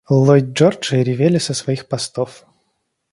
Ллойд-Джорджи ревели со своих постов!